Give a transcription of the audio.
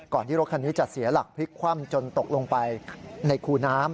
ที่รถคันนี้จะเสียหลักพลิกคว่ำจนตกลงไปในคูน้ำ